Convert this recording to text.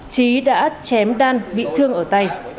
trí đã chém đan bị thương ở tay